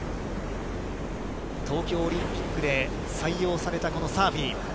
東京オリンピックで採用されたこのサーフィン。